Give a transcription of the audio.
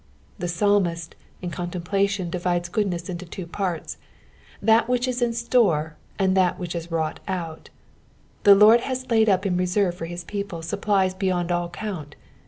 The psalmist in contemplation divides goodness into two parts, that which ia in store and that which is wrought out. The Lord has laid up ia reserve for his people supplies beyond all count.